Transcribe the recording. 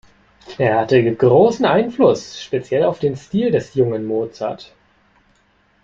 Er hatte großen Einfluss speziell auf den Stil des jungen Mozart.